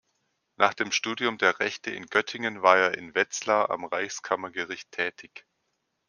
Nach dem Studium der Rechte in Göttingen war er in Wetzlar am Reichskammergericht tätig.